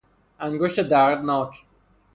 انگشت دردناک